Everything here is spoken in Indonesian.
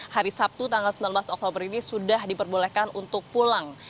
hari sabtu tanggal sembilan belas oktober ini sudah diperbolehkan untuk pulang